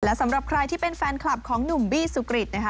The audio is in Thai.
และสำหรับใครที่เป็นแฟนคลับของหนุ่มบี้สุกริตนะคะ